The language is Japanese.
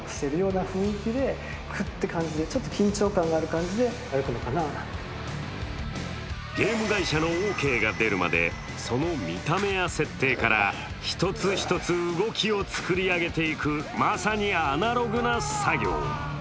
試しに取材ディレクターがやってみるとゲーム会社のオーケーが出るまでその見た目や設定から一つ一つ動きを作り上げていくまさにアナログな作業。